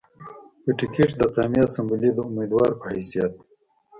پۀ ټکټ د قامي اسمبلۍ د اميدوار پۀ حېثيت